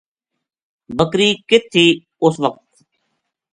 بکری کِت تھی اس وخت۔